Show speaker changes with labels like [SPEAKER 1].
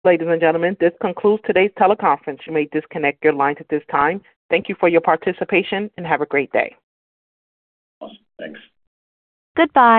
[SPEAKER 1] Ladies and gentlemen, this concludes today's teleconference. You may disconnect your lines at this time. Thank you for your participation, and have a great day.
[SPEAKER 2] Awesome. Thanks.
[SPEAKER 1] Goodbye.